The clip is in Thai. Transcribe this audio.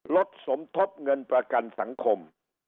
สมทบเงินประกันสังคม